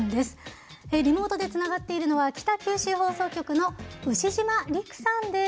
リモートでつながっているのは北九州放送局の牛島陸さんです。